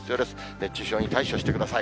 熱中症に対処してください。